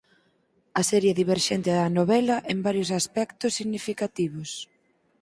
A serie diverxe da novela en varios aspectos significativos.